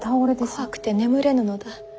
怖くて眠れぬのだ。